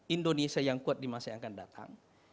indonesia yang kuat di masa yang akan datang